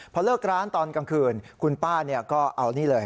พอเลิกร้านตอนกลางคืนคุณป้าก็เอานี่เลย